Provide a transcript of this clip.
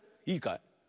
いいかい？